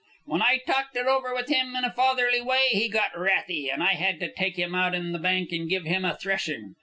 When I talked it over with him in a fatherly way he got wrathy, and I had to take him out on the bank and give him a threshing.